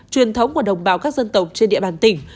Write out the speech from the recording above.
truyền thống của đồng bào các dân tộc trên địa bàn tỉnh